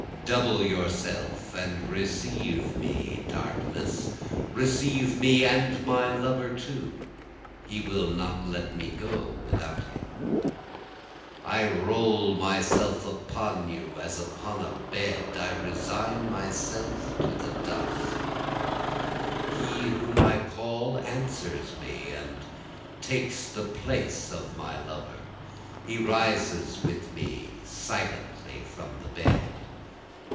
Double yourself and receive me darkness, Receive me and my lover too, he will not let me go without him. I roll myself upon you as upon a bed, I resign myself to the dusk. He whom I call answers me and takes the place of my lover, He rises with me silently from the bed.